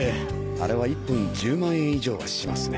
あれは１本１０万円以上はしますね。